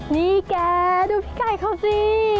นี่แกดูพี่ไก่เขาสิ